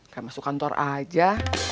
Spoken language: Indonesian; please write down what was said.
gak masuk kantor aja